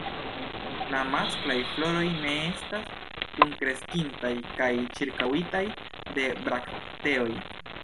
La masklaj floroj ne estas kunkreskintaj kaj ĉirkaŭitaj de brakteoj.